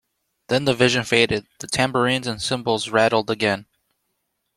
Then the vision faded, the tambourines and cymbals rattled again.